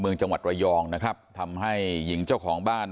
จังหวัดระยองนะครับทำให้หญิงเจ้าของบ้าน